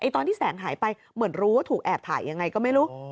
ตอนที่แสงหายไปเหมือนรู้ว่าถูกแอบถ่ายยังไงก็ไม่รู้